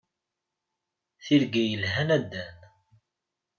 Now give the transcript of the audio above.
Tirga yelhan a Dan.